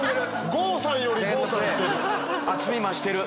郷さんより郷さんしてる。